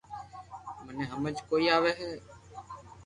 مني ھمج ڪوئي آوي ھي